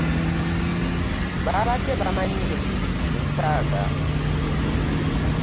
Babadde bamanyi mbu nsaaga.